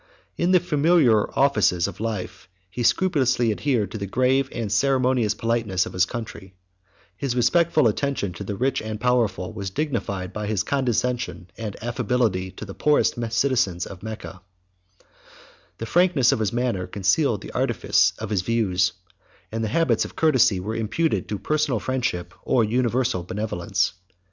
In the familiar offices of life he scrupulously adhered to the grave and ceremonious politeness of his country: his respectful attention to the rich and powerful was dignified by his condescension and affability to the poorest citizens of Mecca: the frankness of his manner concealed the artifice of his views; and the habits of courtesy were imputed to personal friendship or universal benevolence.